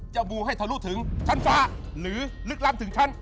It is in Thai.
บูให้ทะลุถึงชั้นฟ้าหรือลึกล้ำถึงชั้น